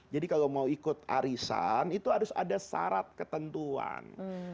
jadi kalau mau ikut arisan itu harus ada syarat ketentuan